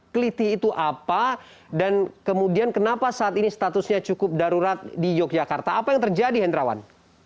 keliti itu apa dan kemudian kenapa saat ini statusnya cukup darurat di yogyakarta apa yang terjadi hendrawan